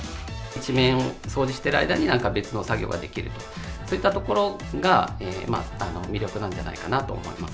一面掃除している間に、なんか別の作業ができると、そういったところが魅力なんじゃないかなと思います。